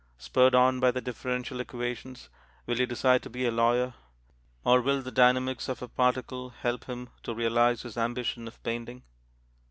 Spurred on by the differential equations, will he decide to be a lawyer, or will the dynamics of a particle help him to realize his ambition of painting?